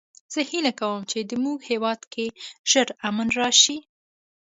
زه هیله کوم چې د مونږ هیواد کې ژر امن راشي